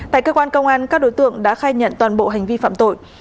tại cơ quan công an các đối tượng đã khai nhận toàn bộ hành vi phạm tội